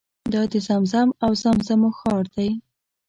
دا د زمزم او زمزمو ښار دی.